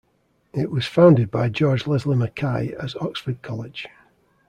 It was founded by George Leslie Mackay as Oxford College.